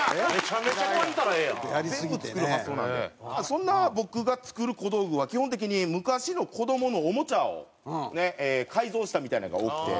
そんな僕が作る小道具は基本的に昔の子どものおもちゃをね改造したみたいなのが多くて。